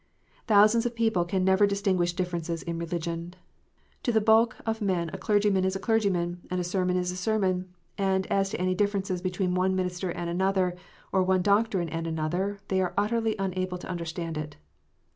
Thousands of people can never distinguish differences in religion. To the bulk of men a clergyman is a clergyman, and a sermon is a sermon ; and as to any difference between one minister and another, or one doctrine and another, they are utterly unable to understand it.